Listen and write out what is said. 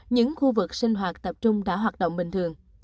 những khu vực sinh hoạt tập trung đã hoạt động bình thường